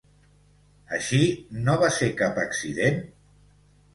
Així, no va ser cap accident?